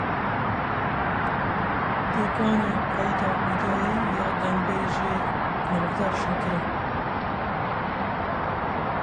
Tekane qeyda vîdeoyî ya Dengbêjê navdar Şakiro.